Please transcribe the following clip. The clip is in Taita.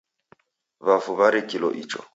W'afu w'arikilo icho